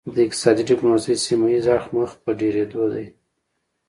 د اقتصادي ډیپلوماسي سیمه ایز اړخ مخ په ډیریدو دی